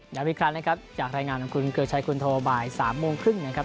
ย้ำอีกครั้งนะครับจากรายงานของคุณเกลือชัยคุณโทบ่าย๓โมงครึ่งนะครับ